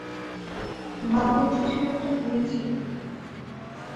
বাবার কিছু একটা হয়েছে।